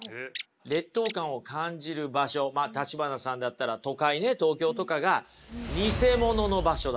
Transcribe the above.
劣等感を感じる場所橘さんだったら都会ね東京とかがニセモノの場所だからです。